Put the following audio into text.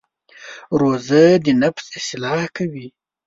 روژه د نفس اصلاح کوي.